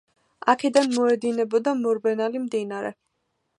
აქედან მოედინებოდა მორბენალი მდინარე.